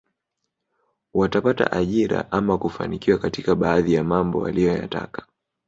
Watapata ajira ama kufanikiwa katika baadhi ya mambo waliyoyataka